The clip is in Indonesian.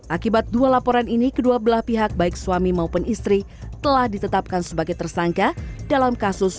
akibat dua laporan ini kedua belah pihak baik suami maupun istri telah ditetapkan sebagai tersangka dalam kasus